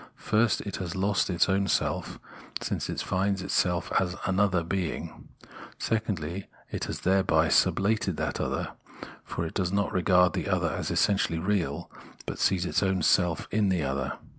First it has lost its own self, since it finds itself as an other being ; secondly, it has thereby sublated that other, for it does not regard the other as essentially real, but sees its own self in the other.